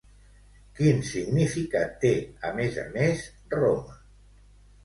Quin significat té a més a més “Roma”?